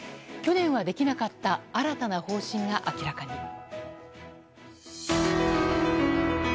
去年はできなかった新たな方針が明らかに。